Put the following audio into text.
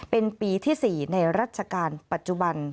เป็นปีที่๔ในรัชกาลปัจจุบัน